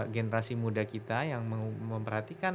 generasi muda kita yang memperhatikan